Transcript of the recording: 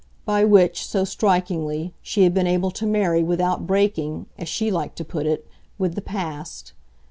by which, so strikingly, she had been able to marry without breaking, as she liked to put it, with the past.